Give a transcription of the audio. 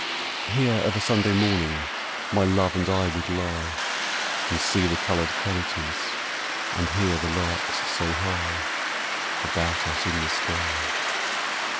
Here of a Sunday morning My love and I would lie And see the coloured counties, And hear the larks so high About us in the sky.